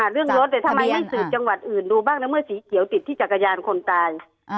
เรื่องรถทำไมไม่สืบจังหวัดอื่นดูบ้างนะเมื่อสีเขียวติดที่จักรยานคนตาย